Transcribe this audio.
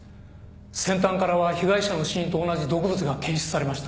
先端からは被害者の死因と同じ毒物が検出されました。